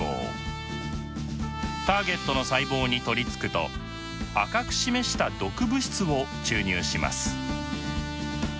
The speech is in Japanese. ターゲットの細胞に取りつくと赤く示した毒物質を注入します。